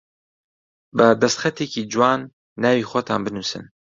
بە دەستخەتێکی جوان ناوی خۆتان بنووسن